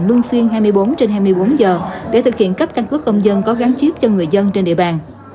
đang xuyên hai mươi bốn trên hai mươi bốn giờ để thực hiện cấp căn cức công dân có gắn chiếc cho người dân trên địa bàn